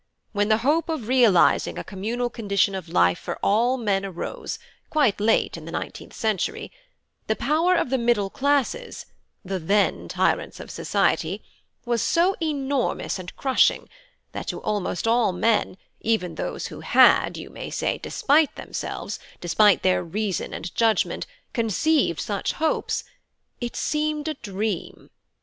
When the hope of realising a communal condition of life for all men arose, quite late in the nineteenth century, the power of the middle classes, the then tyrants of society, was so enormous and crushing, that to almost all men, even those who had, you may say despite themselves, despite their reason and judgment, conceived such hopes, it seemed a dream.